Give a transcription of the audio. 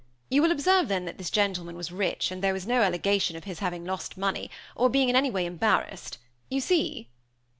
You will observe then that this gentleman was rich, and there was no allegation of his having lost money, or being in any way embarrassed. You see?"